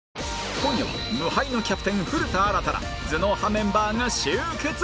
今夜は無敗のキャプテン古田新太ら頭脳派メンバーが集結！